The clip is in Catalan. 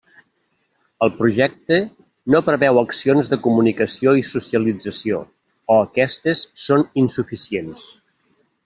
El projecte no preveu accions de comunicació i socialització, o aquestes són insuficients.